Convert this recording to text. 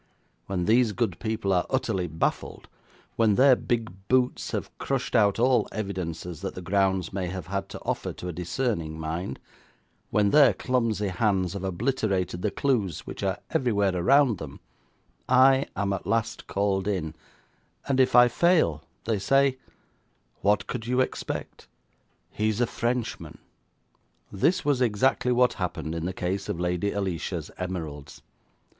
When these good people are utterly baffled; when their big boots have crushed out all evidences that the grounds may have had to offer to a discerning mind; when their clumsy hands have obliterated the clues which are everywhere around them, I am at last called in, and if I fail, they say: 'What could you expect; he is a Frenchman.' This was exactly what happened in the case of Lady Alicia's emeralds.